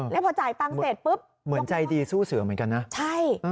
แล้วพอจ่ายตังค์เสร็จปุ๊บเหมือนใจดีสู้เสือเหมือนกันนะใช่